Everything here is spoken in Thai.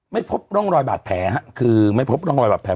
ไม่พบร่องรอยบาดแผลฮะคือไม่พบร่องรอยบาดแผล